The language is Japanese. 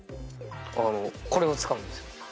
これを使うんですよ。